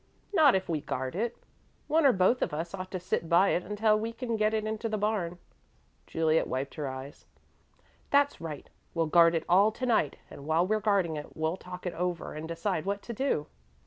"Not if we guard it. One or both of us ought to sit by it until we can get it into the barn." Juliet wiped her eyes. "That's right. We'll guard it all night to night and while we're guarding it, we'll talk it all over and decide what to do."